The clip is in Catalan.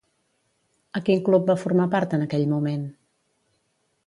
A quin club va formar part en aquell moment?